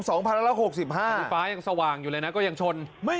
นี่ฟ้ายังสว่างอยู่เลยนะก็ยังชน